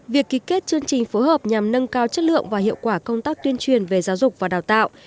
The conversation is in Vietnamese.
việc ký kết chương trình phối hợp nhằm nâng cao chất lượng và hiệu quả công tác tuyên truyền về giáo dục và đào tạo